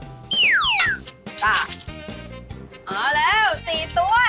เอาแล้ว๔ตัว